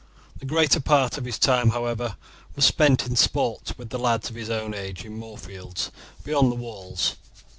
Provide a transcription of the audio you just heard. The greater part of his time, however, was spent in sports with lads of his own age in Moorfields beyond the walls.